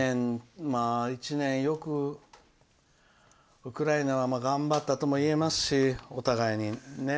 １年よくウクライナは頑張ったとも言えますしお互いにね。